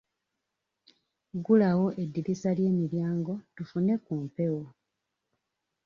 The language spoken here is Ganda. Ggulawo eddirisa ly'emiryango tufune ku mpewo.